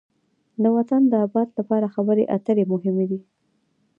د وطن د آباد لپاره خبرې اترې مهمې دي.